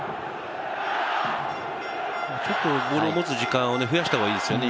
ちょっとボールを持つ時間を増やした方がいいですよね。